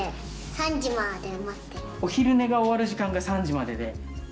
お昼寝が終わる時間が３時まででうん。